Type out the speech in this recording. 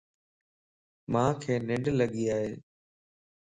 مانک ننڊ لڳي ائي